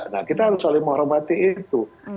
nah kita harus saling menghormati itu